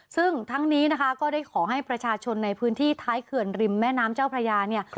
ซึ่งทั้งนี้นะคะก็ได้ขอให้ประชาชนในพื้นที่ท้ายเขื่อนริมแม่น้ำเจ้าพระยาเนี่ย